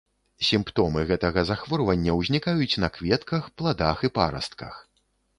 Сімптомы гэтага захворвання ўзнікаюць на кветках, пладах і парастках.